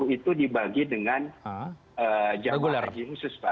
dua ratus dua puluh satu itu dibagi dengan jemaah haji khusus